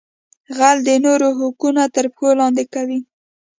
غل د نورو حقونه تر پښو لاندې کوي